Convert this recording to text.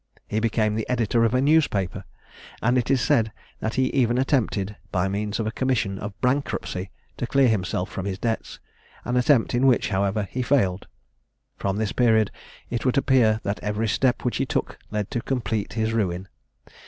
He became the editor of a newspaper; and it is said that he even attempted, by means of a commission of bankruptcy, to clear himself from his debts; an attempt in which, however, he failed. From this period it would appear that every step which he took led to complete his ruin.